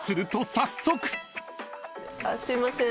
あっすいません